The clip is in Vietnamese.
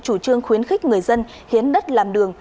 chủ trương khuyến khích người dân hiến đất làm đường